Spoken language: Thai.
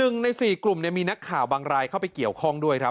หนึ่งใน๔กลุ่มมีนักข่าวบางรายเข้าไปเกี่ยวข้องด้วยครับ